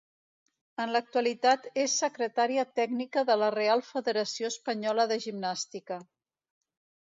En l'actualitat és Secretària Tècnica de la Real Federació Espanyola de Gimnàstica.